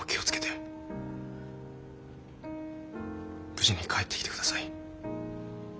無事に帰ってきて下さい。